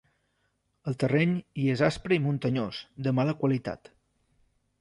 El terreny hi és aspre i muntanyós, de mala qualitat.